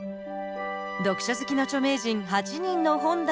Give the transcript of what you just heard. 読書好きの著名人８人の本棚を紹介。